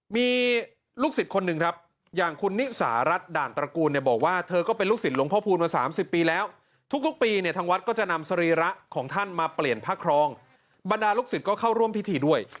มีลูกศิษย์คนหนึ่งครับอย่างคุณนิสารัชศ์ด่านตระกูลเนี่ย